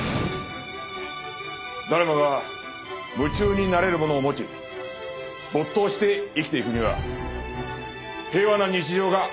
誰もが夢中になれるものを持ち没頭して生きていくには平和な日常が不可欠だ。